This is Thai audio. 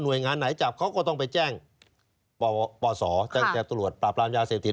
โดยงานไหนจับเขาก็ต้องไปแจ้งปปศแจ้งตรวจปราบรามยาเสพติด